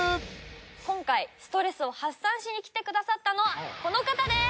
今回ストレスを発散しに来てくださったのはこの方です。